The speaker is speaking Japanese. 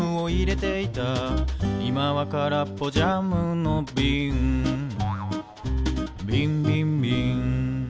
「いまはからっぽジャムのびん」「びんびんびん」